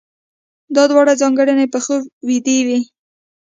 دا دواړه ځانګړنې په خوب ويدې وي.